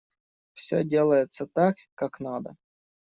Все делается так, как надо.